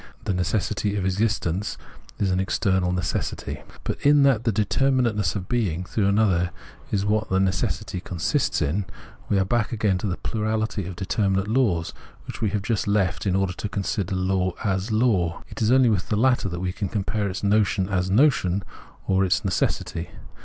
the necessity of its existence is an external necessity. But in that Understanding 147 the determinateness of being through another is what the necessity consists in, we are back again to the plurahty of determinate laws, which we have just left in order to consider law as law. It is only with the latter that we can compare its notion as notion, or its necessity.